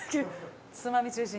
つまみ中心に。